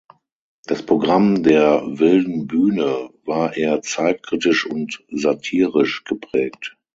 Das Programm der „Wilden Bühne“ war eher zeitkritisch und satirisch geprägt.